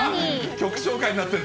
曲紹介になってる。